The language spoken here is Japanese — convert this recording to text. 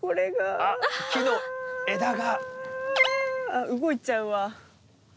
あっ動いちゃうわ。